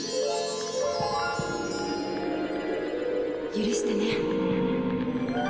許してね。